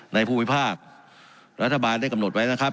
ภูมิภาครัฐบาลได้กำหนดไว้นะครับ